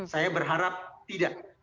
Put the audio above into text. saya berharap tidak